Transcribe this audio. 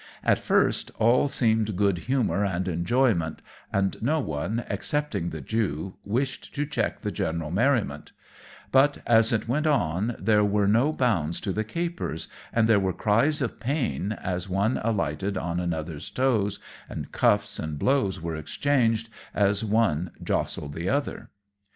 At first all seemed good humour and enjoyment, and no one, excepting the Jew, wished to check the general merriment; but as it went on there were no bounds to the capers, and there were cries of pain, as one alighted on another's toes, and cuffs and blows were exchanged as one jostled the other.